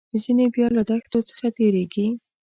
ځینې بیا له دښتو څخه تیریږي.